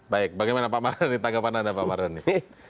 baik bagaimana pak marhani tanggapan anda pak marhani